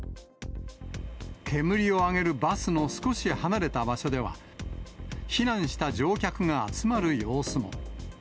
煙を上げるバスの少し離れた場所では、避難した乗客が集まる様子も。